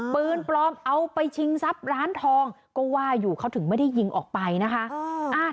ปืนปลอมเอาไปชิงทรัพย์ร้านทองก็ว่าอยู่เขาถึงไม่ได้ยิงออกไปนะคะ